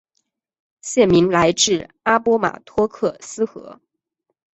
县名来自阿波马托克斯河。